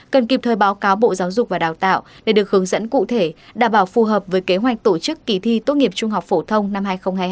cần kịp thời báo cáo bộ giáo dục và đào tạo để được hướng dẫn cụ thể đảm bảo phù hợp với kế hoạch tổ chức kỳ thi tốt nghiệp trung học phổ thông năm hai nghìn hai mươi hai